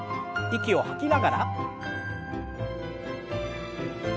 息を吐きながら。